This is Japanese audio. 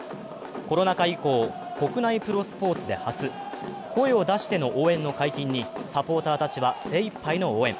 コロナ禍以降、国内プロスポーツで初、声を出しての応援の解禁にサポーターたちは精いっぱいの応援。